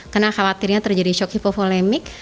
karena khawatirnya terjadi shock hipoflemik